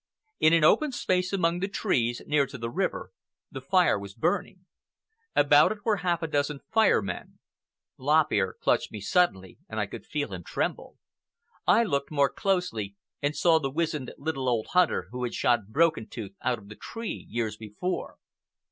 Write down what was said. In an open space among the trees, near to the river, the fire was burning. About it were half a dozen Fire Men. Lop Ear clutched me suddenly, and I could feel him tremble. I looked more closely, and saw the wizened little old hunter who had shot Broken Tooth out of the tree years before.